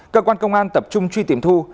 cơ quan công an tập trung truy tìm thu